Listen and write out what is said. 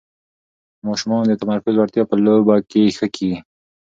د ماشومانو د تمرکز وړتیا په لوبو کې ښه کېږي.